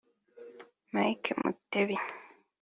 Mike Mutebi